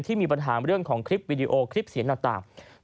มีปัญหาเรื่องของคลิปวิดีโอคลิปเสียงต่าง